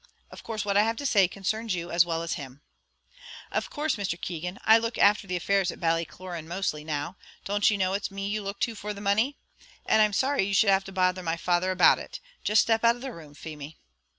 Of course what I have to say concerns you as well as him." "Of course, Mr. Keegan; I look after the affairs at Ballycloran mostly, now. Don't you know it's me you look to for the money? and I'm sorry you should have to bother my father about it. Just step out of the room, Feemy."